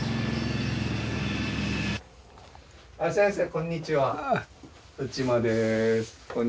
こんにちは